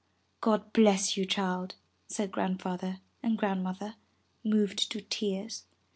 'God bless you, child,'' said Grandfather and Grand mother, moved to tears.